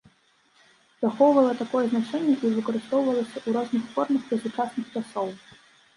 Захоўвала такое значэнне і выкарыстоўвалася ў розных формах да сучасных часоў.